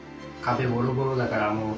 壁ボロボロだからもう。